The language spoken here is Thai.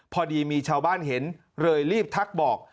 พอดีมีชาวบ้านเห็นเลยรีบทักบอก